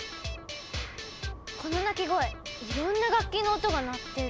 この鳴き声いろんな楽器の音が鳴ってる。